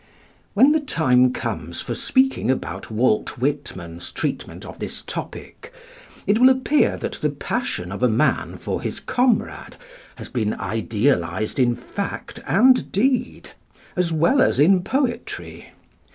" When the time comes for speaking about Walt Whitman's treatment of this topic, it will appear that the passion of a man for his comrade has been idealised in fact and deed, as well as in poetry.